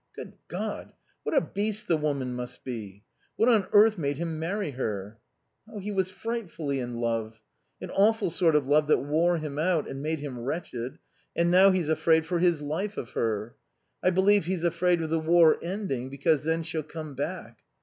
"Good God! what a beast the woman must be. What on earth made him marry her?" "He was frightfully in love. An awful sort of love that wore him out and made him wretched. And now he's afraid for his life of her. I believe he's afraid of the war ending because then she'll come back."